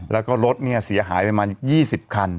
แล้วก็รถเนี่ยเสียหายประมาณ๒๐คันนะครับ